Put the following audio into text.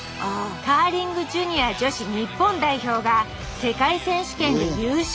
カーリングジュニア女子日本代表が世界選手権で優勝。